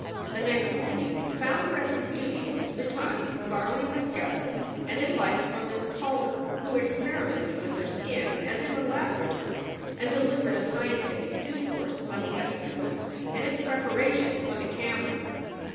The next morning found her at the studio betimes, bor rowing mascaro and advice from Miss Calder, who experi mented with her skin as in a laboratory and delivered a scientific discourse on the epidermis and its preparation for the camera.